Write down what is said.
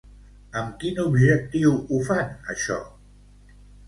Amb quin objectiu ho fan això?